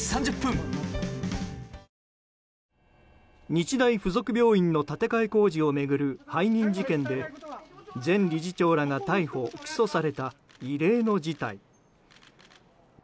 日大附属病院の建て替え工事を巡る背任事件で前理事長らが逮捕・起訴された異例の事態。